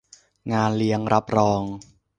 งานเลี้ยงรับรอง